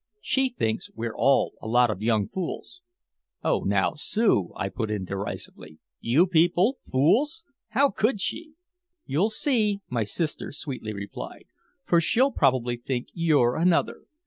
She thinks we're all a lot of young fools." "Oh, now, Sue," I put in derisively. "You people fools? How could she?" "You'll see," my sister sweetly replied, "for she'll probably think you're another.